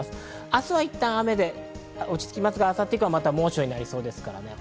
明日はいったん雨で落ち着きますが、明後日からまた猛暑になりそうです。